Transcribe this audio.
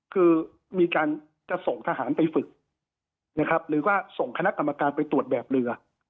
คือมีการจะส่งทหารไปฝึกนะครับหรือว่าส่งคณะกรรมการไปตรวจแบบเรือ